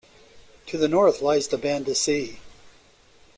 To the north lies the Banda Sea.